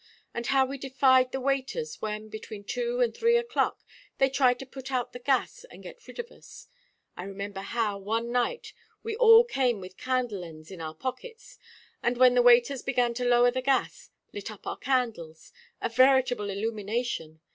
and how we defied the waiters, when, between two and three o'clock, they tried to put out the gas and get rid of us! I remember how, one night, we all came with candle ends in our pockets, and when the waiters began to lower the gas, lit up our candles a veritable illumination.